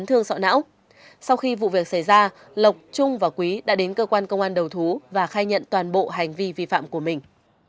sau khi vụ việc xảy ra lộc trung và quý đã đến cơ quan công an đầu thú và khai nhận toàn bộ hành vi vi phạm của mình